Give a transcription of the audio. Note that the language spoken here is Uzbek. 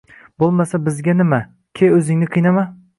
Bo'lmasa, bizga nima? Ke, o'zingni qiynama.